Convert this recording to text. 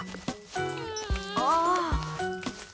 ああ。